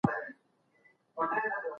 او معتبر انټرنیټ سرچینې وکاروئ.